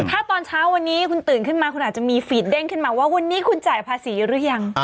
ถ้าตอนเช้าวันนี้คุณตื่นขึ้นมาคุณอาจจะมีฟีดเด้งขึ้นมาว่าวันนี้คุณจ่ายภาษีหรือยัง